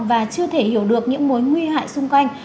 và chưa thể hiểu được những mối nguy hại xung quanh